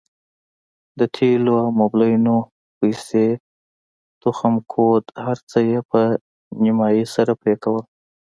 د تېلو او موبلينو پيسې تخم کود هرڅه يې په نيمايي سره پرې کول.